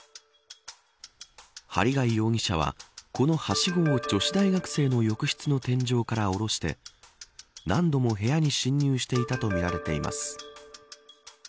針谷容疑者はこのはしごを女子大学生の浴室の天井から降ろして何度も部屋に侵入していたとみられています。